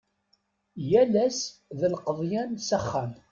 Yal ass d lqeḍyan s axxam.